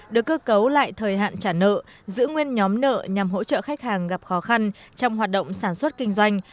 được cơ cấu lại thời hạn trả nợ giữ nguyên nhóm nợ nhằm hỗ trợ khách hàng gặp khó khăn trong hoạt động sản xuất kinh doanh